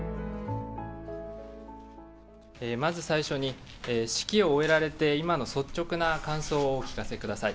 まず最初に、式を終えられて、今の率直な感想をお聞かせください。